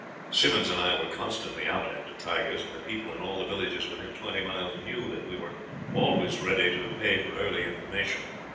"Simmonds and I were constantly out after tigers, and the people in all the villages within twenty miles knew that we were always ready to pay for early information.